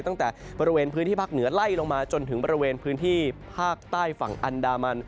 ตั้งแต่บริเวณพื้นที่ภาคเหนือไล่ลงมาจนถึงบริเวณพื้นที่ภาคใต้ฝั่งอันดามัน